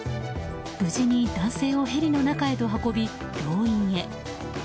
無事に男性をヘリの中へと運び病院へ。